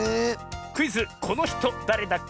クイズ「このひとだれだっけ？」